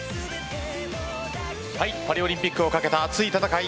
パリオリンピックをかけた熱い戦い